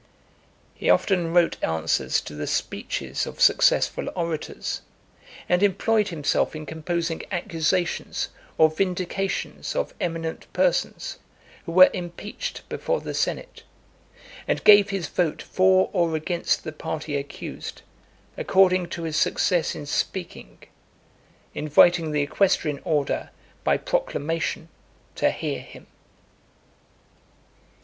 He often wrote answers to the speeches of successful orators; and employed himself in composing accusations or vindications of eminent persons, who were impeached before the senate; and gave his vote for or against the party accused, according to his success in speaking, inviting the equestrian order, by proclamation, to hear him.